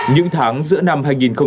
những tháng giữa năm hai nghìn hai mươi một